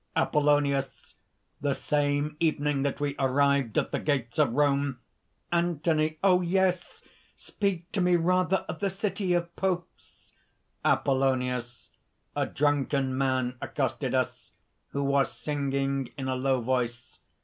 APOLLONIUS. "The same evening that we arrived at the gates of Rome ..." ANTHONY. "Oh! yes! speak to me rather of the City of Popes!" APOLLONIUS. "A drunken man accosted us, who was singing in a low voice.